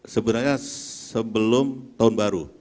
sebenarnya sebelum tahun baru